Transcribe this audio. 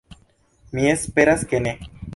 Mi esperas, ke ne.